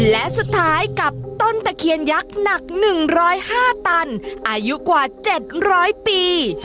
และสุดท้ายกับต้นตะเคียนยักษ์หนักหนึ่งร้อยห้าตันอายุกว่าเจ็ดร้อยปี